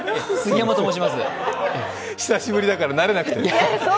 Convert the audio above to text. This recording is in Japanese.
久しぶりだから慣れなくて。